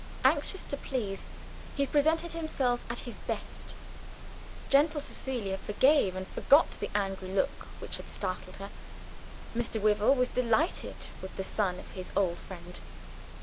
Anxious to please, he presented himself at his best. Gentle Cecilia forgave and forgot the angry look which had startled her. Mr. Wyvil was delighted with the son of his old friend.